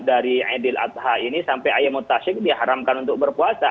dari idul adha ini sampai ayamut tasyik diharamkan untuk berpuasa